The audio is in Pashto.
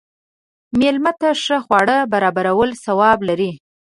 مېلمه ته ښه خواړه برابرول ثواب لري.